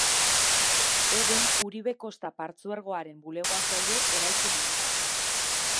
Egun Uribe-Kosta Partzuergoaren bulegoak daude eraikin honetan.